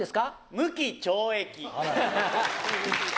無期懲役。